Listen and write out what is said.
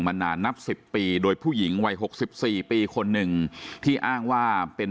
นานนับ๑๐ปีโดยผู้หญิงวัย๖๔ปีคนหนึ่งที่อ้างว่าเป็น